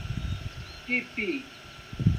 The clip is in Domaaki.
چپَی